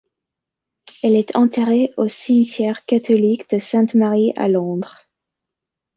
Elle est enterrée au Cimetière catholique de Sainte Marie, à Londres.